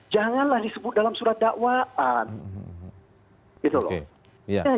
janganlah disebut dalam surat dakwaan